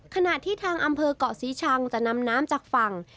ขณะที่ทางอำเภอกเกาะศรีชังจะนำน้ำจากฝั่ง